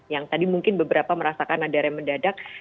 yang tadi mungkin beberapa merasakan ada rem mendadak